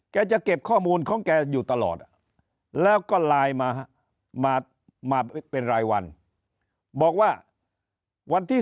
จะเก็บข้อมูลของแกอยู่ตลอดแล้วก็ไลน์มามาเป็นรายวันบอกว่าวันที่๒